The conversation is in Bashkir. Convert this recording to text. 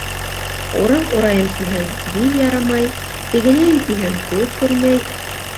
Ураҡ урайым тиһәң, бил ярамай, тегенәйем тиһәң, күҙ күрмәй...